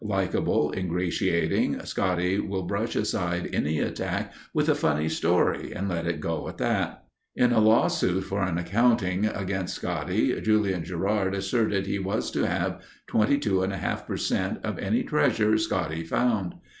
Likable, ingratiating, Scotty will brush aside any attack with a funny story and let it go at that. In a law suit for an accounting against Scotty, Julian Gerard asserted he was to have 22½% of any treasure Scotty found.